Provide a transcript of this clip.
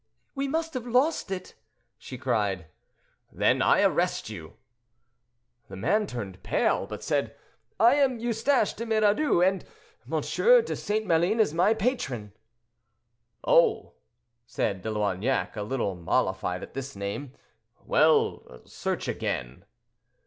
"We must have lost it!" she cried. "Then I arrest you." The man turned pale, but said, "I am Eustache de Miradoux, and M. de St. Maline is my patron." "Oh!" said De Loignac, a little mollified at this name, "well, search again."